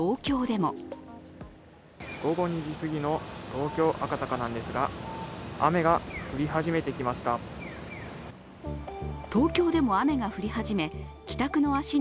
午後２時過ぎの東京・赤坂なんですが、雨が降り始めてきました。